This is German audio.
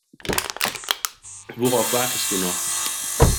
Worauf wartest du noch?